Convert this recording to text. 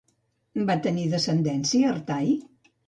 Va tenir descendència Artai?